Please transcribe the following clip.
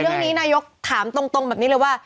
เรื่องนี้นายกถามตรงแบบนี้เลยว่า